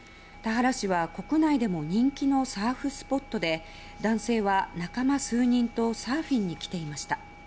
田原市は国内でも人気のサーフスポットで男性は仲間数人とサーフィンに来ていました。